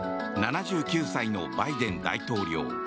７９歳のバイデン大統領。